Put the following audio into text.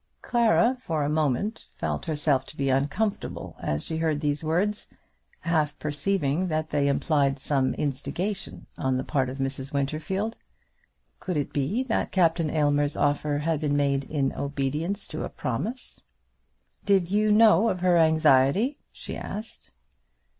Clara for a moment felt herself to be uncomfortable as she heard these words, half perceiving that they implied some instigation on the part of Mrs. Winterfield. Could it be that Captain Aylmer's offer had been made in obedience to a promise? "Did you know of her anxiety?" she asked.